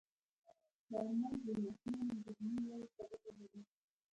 چارمغز د ماشومانو ذهني ودې ته ګټه لري.